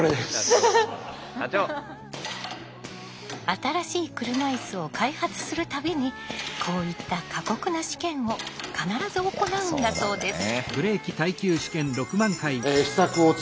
新しい車いすを開発する度にこういった過酷な試験を必ず行うんだそうです。